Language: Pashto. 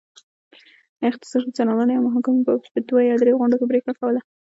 اختصاصي څارنوالۍ او محاکمو به په دوه یا درې غونډو کې پرېکړه کوله.